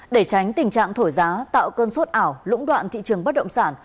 để tránh tình trạng thổi giá tạo cơn sốt ảo lũng đoạn thị trường bất động sản